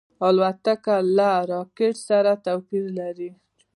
الوتکه له راکټ سره توپیر لري.